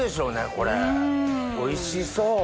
これおいしそう！